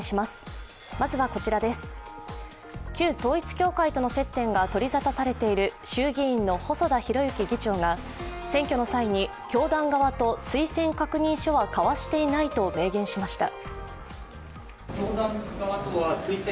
旧統一教会との接点が取り沙汰されている衆議院の細田博之議長が選挙の際に教団側と推薦確認書は交わしていないと明言しました。